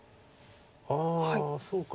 ああそうか。